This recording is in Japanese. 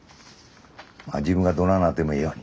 まあ自分がどないなってもええように。